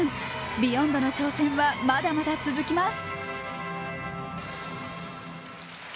「ＢＥＹＯＮＤ」の挑戦はまだまだ続きます。